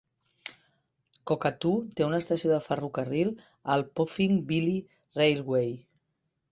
Cockatoo té una estació de ferrocarril al Puffing Billy Railway.